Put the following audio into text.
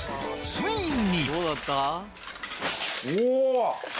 ついに！